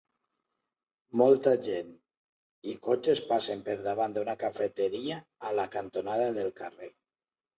Molta gent i cotxes passen per davant d'una cafeteria a la cantonada del carrer.